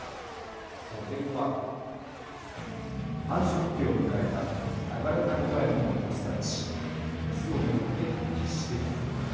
それははんしょくきをむかえたナガレタゴガエルのオスたちメスをめぐってひっしです。